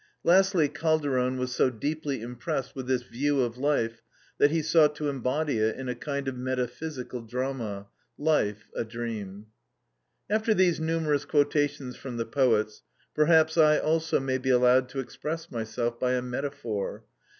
1. Lastly, Calderon was so deeply impressed with this view of life that he sought to embody it in a kind of metaphysical drama—"Life a Dream." After these numerous quotations from the poets, perhaps I also may be allowed to express myself by a metaphor.